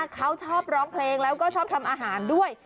เขาชอบร้องเพลงแล้วก็ชอบทำอาหารด้วย